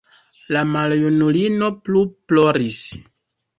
La maljunulino plu ploris.